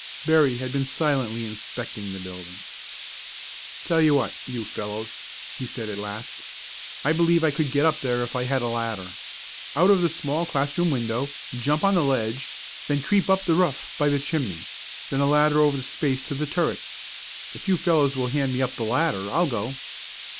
Berry had been silently inspecting the building. "Tell you what, you fellows," he said at last, "I believe I could get up there if I had a ladder. Out of the small class room window, jump on the ledge, then creep up the roof by the chimney, then a ladder over the space to the turret. If you fellows will hand me up the ladder I'll go!"